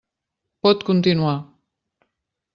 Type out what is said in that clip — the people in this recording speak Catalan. Pot continuar.